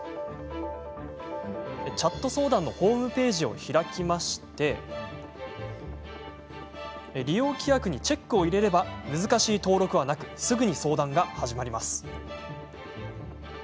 チャット相談のホームページを開くと利用規約にチェックを入れれば難しい登録はなくすぐに相談が始まります。